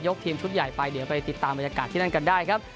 ทีมชุดใหญ่ไปเดี๋ยวไปติดตามบรรยากาศที่นั่นกันได้ครับ